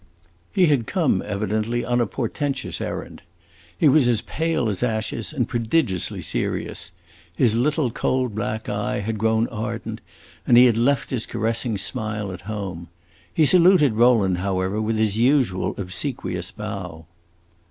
He had come, evidently, on a portentous errand. He was as pale as ashes and prodigiously serious; his little cold black eye had grown ardent, and he had left his caressing smile at home. He saluted Rowland, however, with his usual obsequious bow.